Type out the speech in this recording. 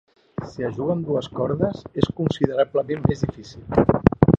Si es juga amb dues cordes, és considerablement més difícil.